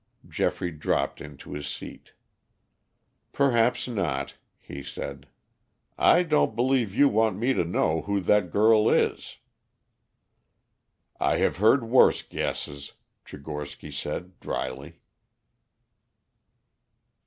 Geoffrey dropped into his seat. "Perhaps not," he said. "I don't believe you want me to know who that girl is." "I have heard worse guesses," Tchigorsky said dryly.